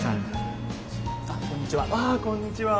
あっこんにちは。